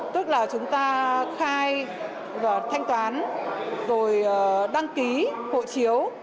tức là chúng ta khai và thanh toán rồi đăng ký hộ chiếu